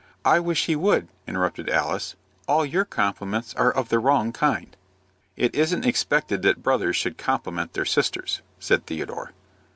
"I wish he would," interrupted Alice. "All your compliments are of the wrong kind." "It isn't expected that brothers should compliment their sisters," said Theodore.